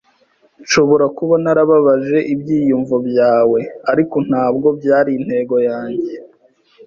Nshobora kuba narababaje ibyiyumvo byawe, ariko ntabwo byari intego yanjye.